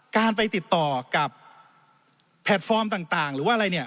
การไปติดต่อกับแพลตฟอร์มต่างหรือว่าอะไรเนี่ย